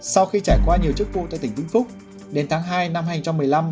sau khi trải qua nhiều chức vụ tại tỉnh vĩnh phúc đến tháng hai năm hai nghìn một mươi năm